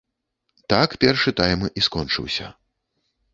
Так першы тайм і скончыўся.